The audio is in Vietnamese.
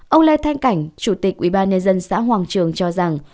ông lê thanh cảnh chủ tịch ubnd xã hoàng trường cho rằng